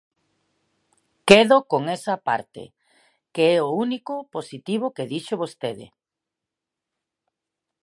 Quedo con esa parte, que é o único positivo que dixo vostede.